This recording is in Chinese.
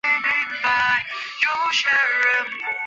长江粘体虫为粘体科粘体虫属的动物。